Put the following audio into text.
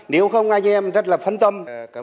nếu không anh em rất là phân tâm